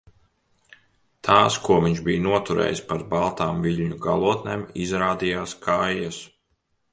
Tās, ko viņš bija noturējis par baltām viļņu galotnēm, izrādījās kaijas.